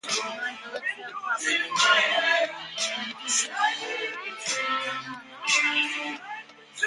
He went to the Litchfield public schools and to the University of Illinois.